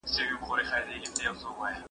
للى دمخه، للۍ په پسې.